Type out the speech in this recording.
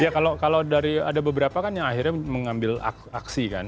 ya kalau dari ada beberapa kan yang akhirnya mengambil aksi kan